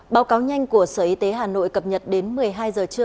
báo cáo nhanh của sở y tế hà nội cập nhật đến một mươi hai giờ trưa